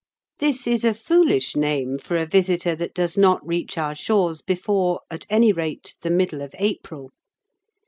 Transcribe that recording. This is a foolish name for a visitor that does not reach our shores before, at any rate, the middle of April.